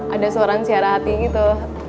ada seorang siara hati gitu